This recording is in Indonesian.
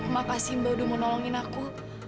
makasih mbak udah mau nolongin aku